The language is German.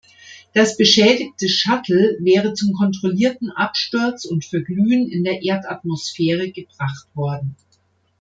Das beschädigte Shuttle wäre zum kontrollierten Absturz und Verglühen in der Erdatmosphäre gebracht worden.